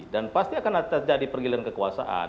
dan pasti akan terjadi pergilan kekuasaan